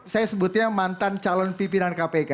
saya sebutnya mantan calon pimpinan kpk